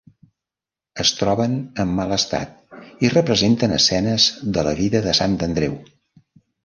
Es troben en mal estat i representen escenes de la vida de Sant Andreu.